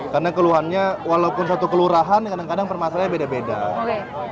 karena keluhannya walaupun satu kelurahan kadang kadang permasalahan heavyun kali